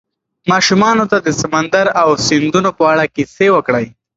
ماشومانو ته د سمندر او سیندونو په اړه کیسې وکړئ.